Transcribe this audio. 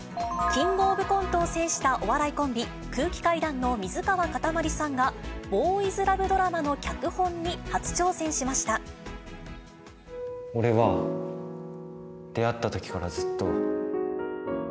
キングオブコントを制したお笑いコンビ、空気階段の水川かたまりさんが、ボーイズラブドラマの脚本に初挑俺は、出会ったときからずっと。